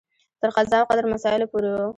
تر قضا او قدر مسایلو پورې و.